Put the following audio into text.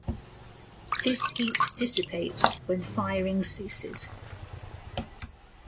This heat dissipates when firing ceases.